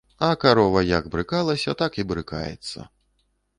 А карова як брыкалася, так і брыкаецца.